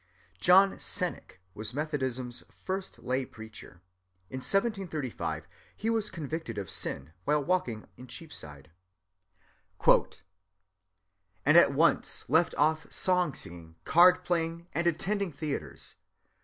John Cennick was Methodism's first lay preacher. In 1735 he was convicted of sin, while walking in Cheapside,— "And at once left off song‐singing, card‐playing, and attending theatres.